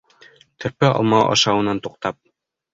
Терпе алма ашауынан туҡтап: